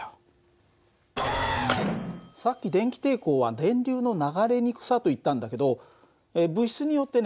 さっき電気抵抗は電流の流れにくさと言ったんだけど物質によってね